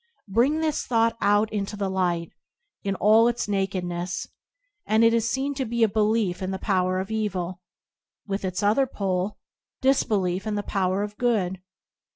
Bring this thought out into the light, in all its nakedness, and it is seen to be a belief in the power of evil, with its other pole, disbelief in the power of good.